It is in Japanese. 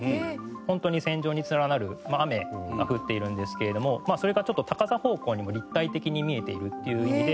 本当に線状に連なる雨が降っているんですけれどもそれがちょっと高さ方向にも立体的に見えているっていう意味で。